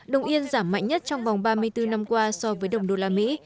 đồng yên giảm mạnh nhất trong vòng ba mươi bốn năm qua so với đồng đô la mỹ